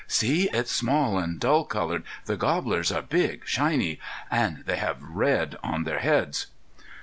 "See, it's small and dull colored. The gobblers are big, shiny, and they have red on their heads."